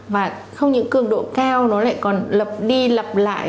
và không những cương độ cao nó lại còn lập đi lập lại